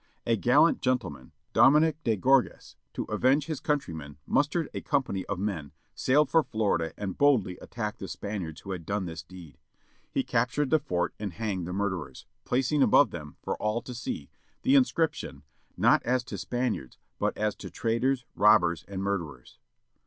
A gallant gentleman, Dominique de Gourgues, to. avenge his countrymen, mustered a company of men, sailed for Florida, and boldly attacked the Spaniards who had done this deed. He captured the fort and hanged the murderers, placing above them, for all to see, the inscrip tion " Not as to Spaniards but as to Traitors, Robbers, and Murderers."